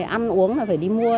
ăn uống là phải đi mua